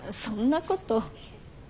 そんなこと。